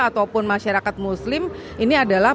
ataupun masyarakat muslim ini adalah